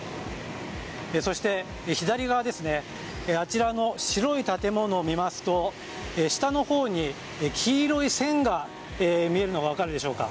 そして、左側のあちらの白い建物を見ますと下のほうに黄色い線が見えるのが分かるでしょうか。